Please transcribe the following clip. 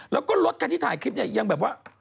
แล้วก็รถคันที่ถ่ายคลิปเนี่ยยังแบบว่า